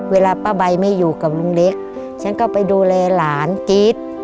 เวลาป้าใบไม่อยู่กับลุงเล็กฉันก็ไปดูแลหลานจี๊ด